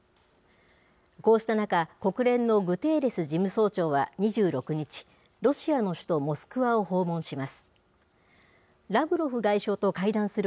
こうした中、国連のグテーレス事務総長は２６日、ロシアの首都モスクワを訪問します。